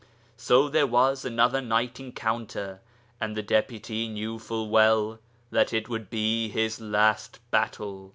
So there was another night encounter, and the Deputy knew full well that it would be his last battle.